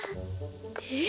え？